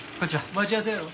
待ち合わせやろ。